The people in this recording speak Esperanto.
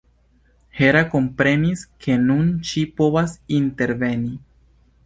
Hera komprenis, ke nun ŝi povas interveni.